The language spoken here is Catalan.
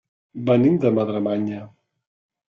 Venim de Madremanya.